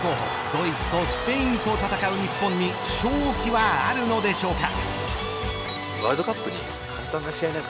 ドイツとスペインと戦う日本に勝機はあるのでしょうか。